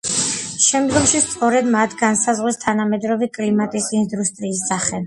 შემდგომში სწორედ მათ განსაზღვრეს თანამედროვე კლიმატის ინდუსტრიის სახე.